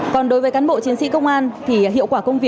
còn đối với cán bộ chiến sĩ công an thì hiệu quả công việc